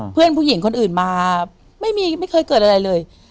เพื่อนผู้หญิงคนอื่นมาไม่เคยเกิดอะไรเลย